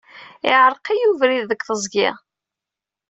Iɛreq-iyi ubrid deg teẓgi.